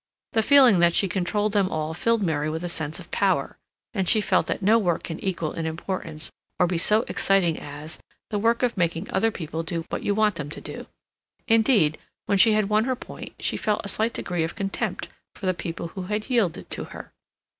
The feeling that she controlled them all filled Mary with a sense of power; and she felt that no work can equal in importance, or be so exciting as, the work of making other people do what you want them to do. Indeed, when she had won her point she felt a slight degree of contempt for the people who had yielded to her.